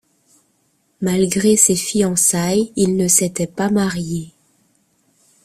Malgré ses fiançailles il ne s'était pas marié.